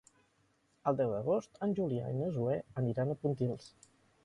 El deu d'agost en Julià i na Zoè aniran a Pontils.